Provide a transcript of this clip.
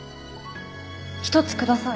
１つください。